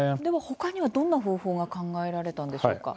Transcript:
他には、どんな方法が考えられたんでしょうか？